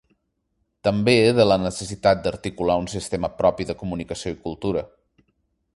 També de la necessitat d’articular un sistema propi de comunicació i cultura.